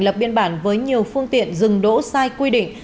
lập biên bản với nhiều phương tiện dừng đỗ sai quy định